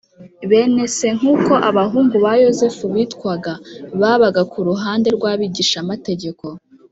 Bene se, nk’uko abahungu ba Yosefu bitwaga, babaga ku ruhande rw’Abigishamategeko